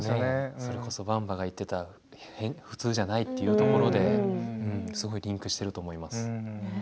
それこそ、ばんばが言っていた普通じゃないというところですごくリンクしていると思います。